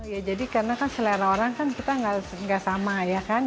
ya jadi karena kan selera orang kan kita nggak sama ya kan